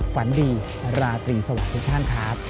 ฝันดีราตรีสวัสดีทุกท่านครับ